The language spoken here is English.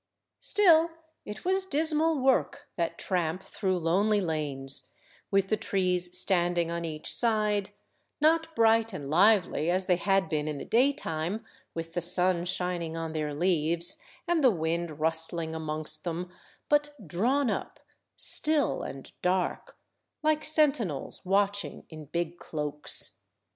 Still it was dismal work that tramp through lonely lanes, with the trees standing on each side—not bright and lively as they had been in the day–time, with the sun shining on their leaves, and the wind rustling amongst them, but drawn up, still and dark, like sentinels watching in big cloaks.